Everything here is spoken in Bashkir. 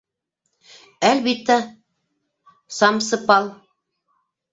Әлбиттә, самсыпал.